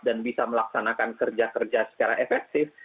dan bisa melaksanakan kerja kerja secara efektif